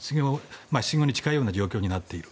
失業に近いような状況になっている。